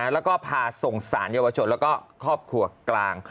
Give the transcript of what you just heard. แล้วก็พาส่งสารเยาวชนแล้วก็ครอบครัวกลาง